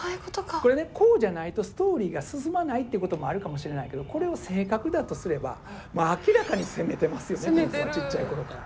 これねこうじゃないとストーリーが進まないってこともあるかもしれないけどこれを性格だとすればこの子はちっちゃい頃から。